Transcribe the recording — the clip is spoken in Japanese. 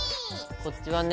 こっちはね